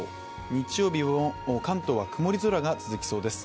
日曜日も関東は曇り空が続きそうです。